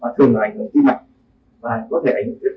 và có thể ảnh hưởng kinh tâm thuốc lá khác nhau tùy vào các phần chất